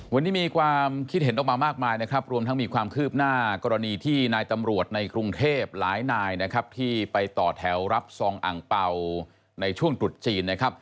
วันนี้มีความคิดเห็นออกมามากมายนะครับรวมทั้งมีความคืบหน้ากรณีที่นายตำรวจในกรุงเทพหลายนายนะครับที่ไปต่อแถวรับซองอังเป่าในช่วงตรุษจีนนะครับ